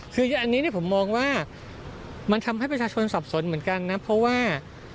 คืออันนี้ผมมองว่ามันทำให้ประชาชนสับสนเหมือนกันนะเพราะว่า